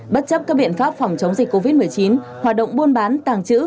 bất chấp các biện pháp phòng chống dịch covid một mươi chín hoạt động buôn bán tàng trữ